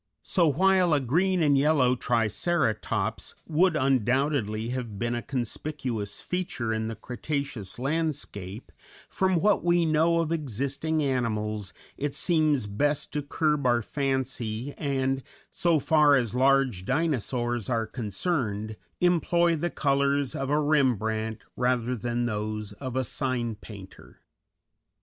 So while a green and yellow Triceratops would undoubtedly have been a conspicuous feature in the Cretaceous landscape, from what we know of existing animals it seems best to curb our fancy and, so far as large Dinosaurs are concerned, employ the colors of a Rembrandt rather than those of a sign painter.